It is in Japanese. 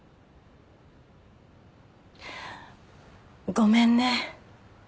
ごめんね。